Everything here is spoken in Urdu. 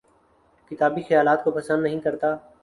کتابی خیالات کو پسند نہیں کرتا